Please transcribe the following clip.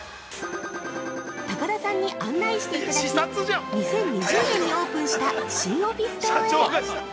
高田さんに案内していただき２０２０年にオープンした新オフィス棟へ。